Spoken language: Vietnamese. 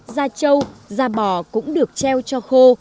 gia châu gia bò cũng được treo cho khô